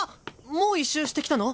もう１周してきたの？